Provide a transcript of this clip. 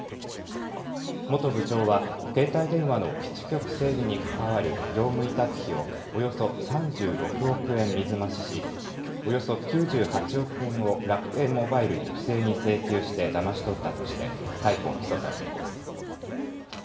元部長は携帯電話の基地局整備に関わる業務委託費をおよそ３６億円水増ししおよそ９８億円を楽天モバイルに不正に請求してだまし取ったとして逮捕・起訴されています。